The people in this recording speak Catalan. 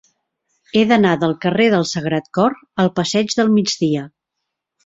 He d'anar del carrer del Sagrat Cor al passeig del Migdia.